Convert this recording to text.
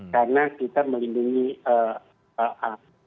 karena kita melindungi orang